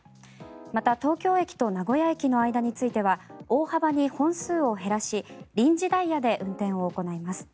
また東京駅と名古屋駅の間については大幅に本数を減らし臨時ダイヤで運転を行います。